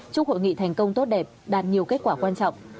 chúc hội nghị thành công tốt đẹp đạt nhiều kết quả quan trọng